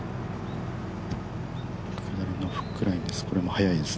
かなりのフックラインです。